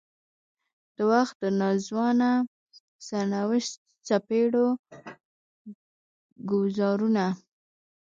د وخت د ناځوانه سرنوشت څپېړو ګوزارونه.